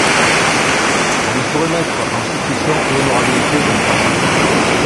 On ne saurait mettre en suspicion l’honorabilité d’un passant quelconque.